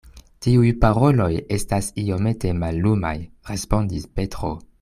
Tiuj paroloj estas iomete mallumaj, respondis Petro.